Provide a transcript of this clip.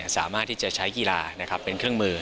สามารถที่จะใช้กีฬาเป็นเครื่องมือ